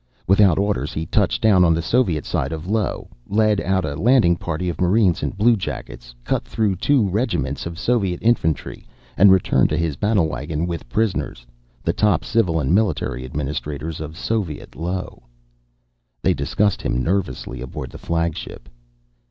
Without orders he touched down on the Soviet side of Io, led out a landing party of marines and bluejackets, cut through two regiments of Soviet infantry, and returned to his battlewagon with prisoners: the top civil and military administrators of Soviet Io. They discussed him nervously aboard the flagship.